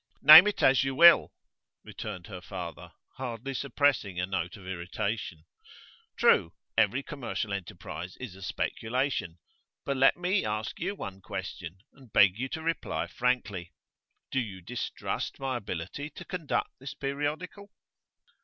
'Name it as you will,' returned her father, hardly suppressing a note of irritation. 'True, every commercial enterprise is a speculation. But let me ask you one question, and beg you to reply frankly. Do you distrust my ability to conduct this periodical?